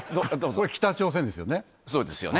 これ、北朝鮮ですよね。